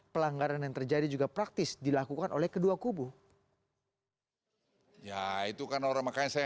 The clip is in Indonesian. pelanggaran yang terjadi juga praktis dilakukan oleh kedua kubu ya itu kan orang makanya saya